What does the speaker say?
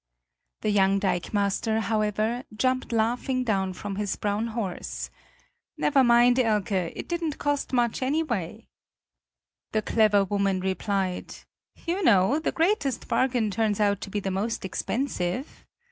The young dikemaster, however, jumped laughing down from his brown horse: "Never mind, Elke; it didn't cost much, anyway." The clever woman replied: "You know, the greatest bargain turns out to be the most expensive."